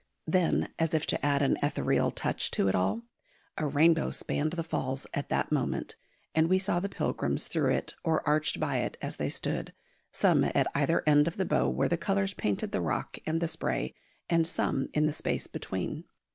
Then, as if to add an ethereal touch to it all, a rainbow spanned the Falls at that moment, and we saw the pilgrims through it or arched by it as they stood, some at either end of the bow where the colours painted the rock and the spray, and some in the space between.